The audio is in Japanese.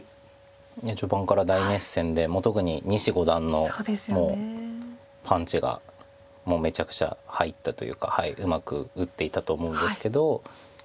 いや序盤から大熱戦で特に西五段のパンチがもうめちゃくちゃ入ったというかうまく打っていたと思うんですけど。